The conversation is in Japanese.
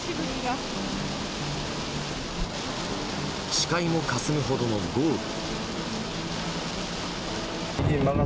視界もかすむほどの豪雨。